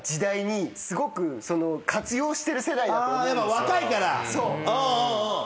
若いから。